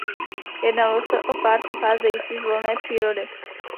Jednalo se o pár pocházející z volné přírody.